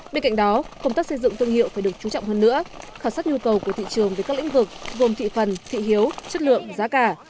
bên cạnh đó công tác xây dựng thương hiệu phải được chú trọng hơn nữa khảo sát nhu cầu của thị trường về các lĩnh vực gồm thị phần thị hiếu chất lượng giá cả